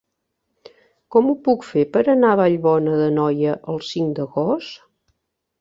Com ho puc fer per anar a Vallbona d'Anoia el cinc d'agost?